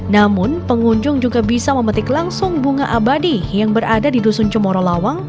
namun pengunjung juga bisa memetik langsung bunga abadi yang berada di dusun cemoro lawang